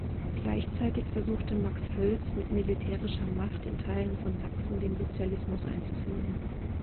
Gleichzeitig versuchte Max Hoelz mit militärischer Macht in Teilen von Sachsen den Sozialismus einzuführen.